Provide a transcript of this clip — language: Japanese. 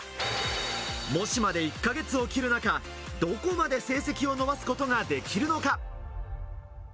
模試まで１か月を切る中、どこまで成績を伸ばすことができるのか。